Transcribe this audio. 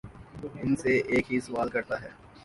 ان سے ایک ہی سوال کرتا ہے